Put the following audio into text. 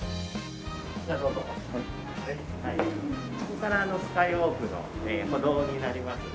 ここからスカイウォークの歩道になります。